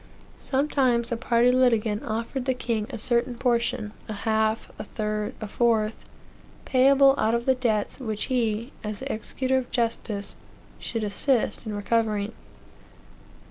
Sometimes a party litigant offered the king a certain portion, a half, a third, a fourth, payable out of the debts which he, as the executor of justice, should assist in recovering.